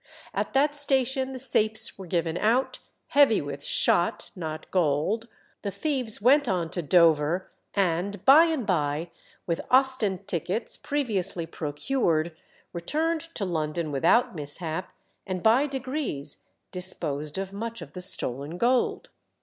At that station the safes were given out, heavy with shot, not gold; the thieves went on to Dover, and by and by, with Ostend tickets previously procured, returned to London without mishap, and by degrees disposed of much of the stolen gold.